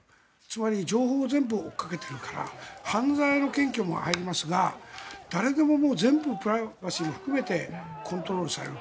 つまり、情報を全部追いかけているから犯罪の検挙も入りますが誰でももう、全部プライバシーを含めてコントロールされる。